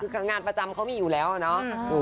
คืองานประจำเขามีอยู่แล้วเนาะ